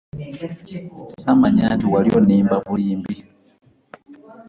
Ssaamanya nti wali onnimba bulimbi.